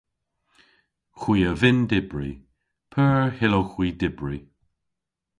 Hwi a vynn dybri. P'eur hyllowgh hwi dybri?